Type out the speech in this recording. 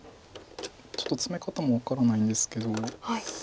ちょっとツメ方も分からないんですけど。